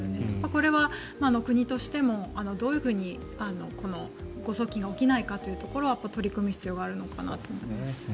これは国としてもどういうふうにこの誤送金が起きないかというところは取り組む必要があるのかなと思います。